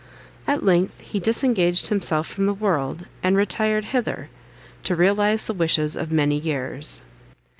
At length he disengaged himself from the world, and retired hither, to realise the wishes of many years.